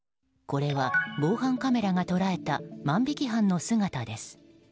これは、防犯カメラが捉えた万引き犯の姿です。